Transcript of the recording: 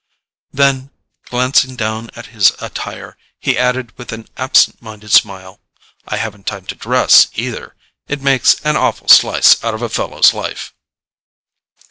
Then, glancing down at his attire, he added with an absent minded smile, "I haven't time to dress either; it takes an awful slice out of a fellow's life."